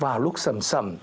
vào lúc sầm sầm